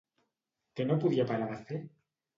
Què no podia parar de fer?